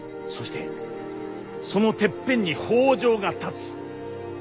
そしてそのてっぺんに北条が立つ。